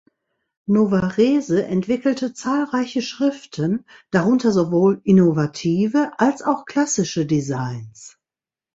Novarese entwickelte zahlreiche Schriften, darunter sowohl innovative als auch klassische Designs.